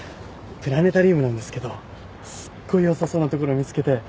プラネタリウムなんですけどすっごい良さそうな所見つけて。